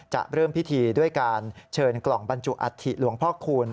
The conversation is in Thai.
จะเริ่มพิธีด้วยการเชิญกล่องบรรจุอัฐิหลวงพ่อคูณ